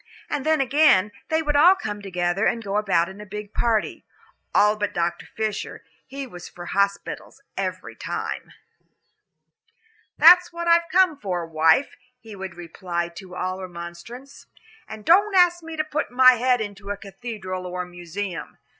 And then again, they would all come together and go about in a big party. All but Dr. Fisher he was for hospitals every time. "That's what I've come for, wife," he would reply to all remonstrance, "and don't ask me to put my head into a cathedral or a museum."